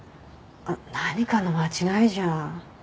何かの間違いじゃ。